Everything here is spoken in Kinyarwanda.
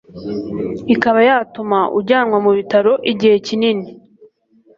ikaba yatuma ujyanwa mu bitaro igihe kinini,